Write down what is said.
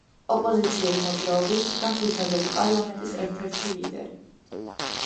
ოპოზიციური მოძრაობის „დამფუძნებელი პარლამენტის“ ერთ-ერთი ლიდერი.